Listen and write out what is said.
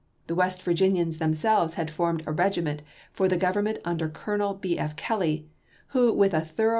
The West Virginians them selves had formed a regiment for the Government WEST VIRGINIA 331 under Colonel B, F. Kelley, who with a thorough chap.